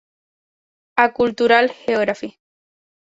A Cultural Geography".